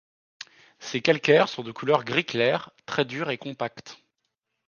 Ces calcaires sont de couleur gris clair, très durs et compacts.